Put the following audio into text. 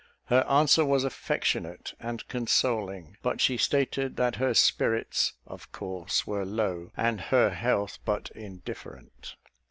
Her answer was affectionate and consoling; but she stated that her spirits, of course, were low, and her health but indifferent.